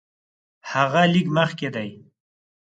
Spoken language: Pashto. هغه لږ مخکې دی.